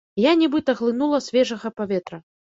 Я нібыта глынула свежага паветра.